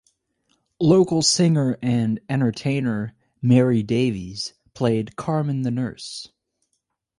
Local singer and entertainer Mary Davies played Carmen the Nurse.